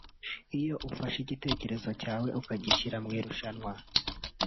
Iyo ufashe igitekerezo cyawe ukagishyira mu irushanwa